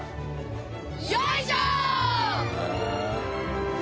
よいしょー！